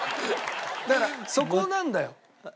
だからそこなんだよ。